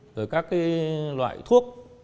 rồi các loại thuốc